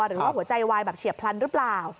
หรือว่าหัวใจวายแบบเฉียบพลันหรือเปล่า